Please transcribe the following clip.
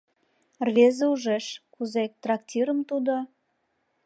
Рвезе ужеш, кузе трактирым тудо